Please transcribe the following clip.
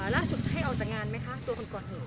ล่าสุดให้ออกจากงานไหมคะตัวคนก่อเหตุ